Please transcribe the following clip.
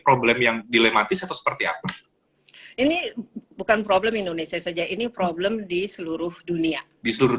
problem yang dilematis atau seperti apa ini bukan problem indonesia saja ini problem di seluruh indonesia ini bukan problem indonesia saja ini problem di seluruh indonesia saja ini problem di seluruh